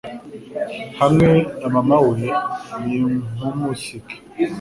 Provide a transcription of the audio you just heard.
Hamwe na maman we nimpumusige